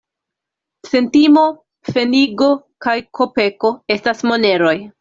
Centimo, pfenigo kaj kopeko estas moneroj.